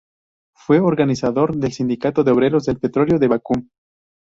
Fue organizador del Sindicato de Obreros del Petróleo de Bakú.